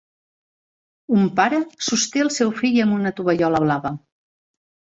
Un pare sosté el seu fill amb una tovallola blava.